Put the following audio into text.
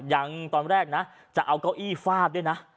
ยังตอนแรกนะจะเอาเก้าอี้ฟาดด้วยนะ